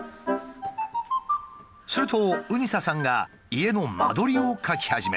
するとうにささんが家の間取りを描き始めた。